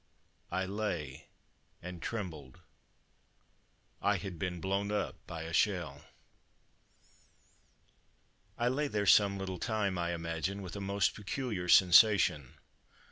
I lay and trembled ... I had been blown up by a shell. I lay there some little time, I imagine, with a most peculiar sensation.